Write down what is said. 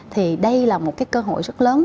thì đây là một cơ hội rất lớn